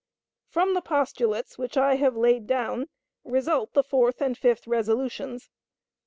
From the postulates which I have laid down result the fourth and fifth resolutions.